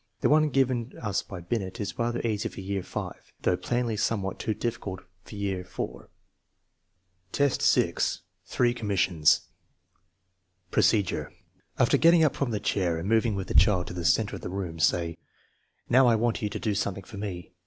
The one given us by Binet is rather easy for year V, though plainly somewhat too difficult for year IV. 172 THE MEASUREMENT OF INTELLIGENCE V, 6. Three commissions Procedure. After getting up from the chair and moving with the child to the center of the room, say: "Now, I want you to do something for me.